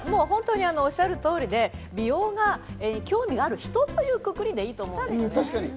おっしゃる通りで、美容に興味がある人というくくりでいいと思います。